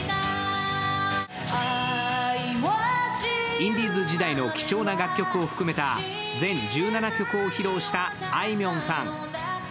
インディーズ時代の貴重な楽曲を含めた全１７曲を披露したあいみょんさん。